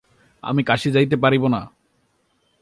আমি কাশী যাইতে পারিব না।